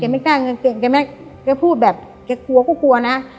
ไม่กล้าเงินเก่งแกพูดแบบแกกลัวก็กลัวนะ